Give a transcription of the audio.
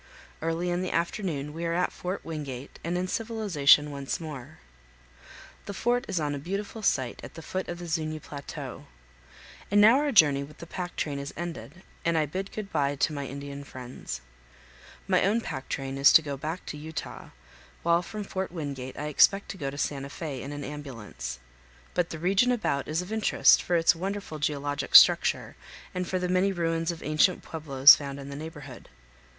Early in the afternoon we are at Fort Wingate and in civilization once more. The fort is on a beauti powell canyons 222.jpg NAVAJO CHURCH, NEAR FORT WINGATE. TO ZUÑÍ 355 ful site at the foot of the Zuñi Plateau. And now our journey with the pack train is ended, and I bid good by to my Indian friends. My own pack train is to go back to Utah, while from Fort Wingate I expect to go to Santa Fe in an ambulance. But the region about is of interest for its wonderful geologic structure and for the many ruins of ancient pueblos found in the neighborhood.